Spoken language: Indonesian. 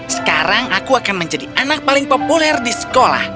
sekarang aku akan menjadi anak paling populer di sekolah